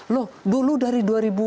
loh dulu dari dua ribu dua